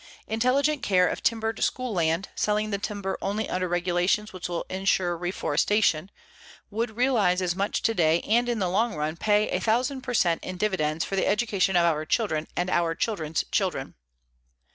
Intelligent care of timbered school land, selling the timber only under regulations which will insure reforestation, would realize as much today and in the long run pay a thousand per cent in dividends for the education of our children and our children's children.